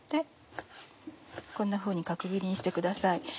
こんなふうに角切りにしてください。